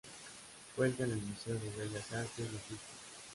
Cuelga en el Museo de Bellas Artes de Houston.